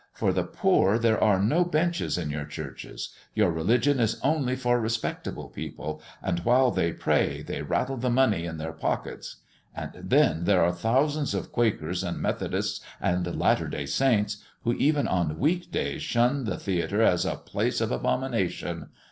For the poor there are no benches in your churches; your religion is only for respectable people, and while they pray they rattle the money in their pockets. And then there are thousands of Quakers, and Methodists, and Latter day Saints, who even on week days shun the theatre as a place of abomination.